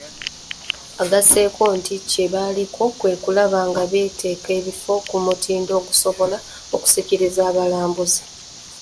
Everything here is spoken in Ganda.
Agasseeko nti kye baliko kwe kulaba nga bateeka ebifo ku mutindo ogusobola okusikiriza abalambuzi.